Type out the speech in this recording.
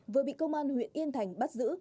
vừa bị công an huyện yên thành bắt giữ